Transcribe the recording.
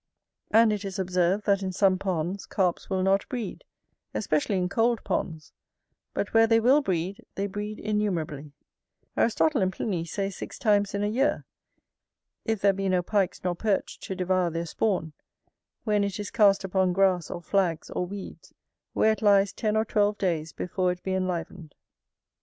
And it is observed that in some ponds Carps will not breed, especially in cold ponds; but where they will breed, they breed innumerably: Aristotle and Pliny say six times in a year, if there be no Pikes nor Perch to devour their spawn, when it is cast upon grass or flags, or weeds, where it lies ten or twelve days before it be enlivened.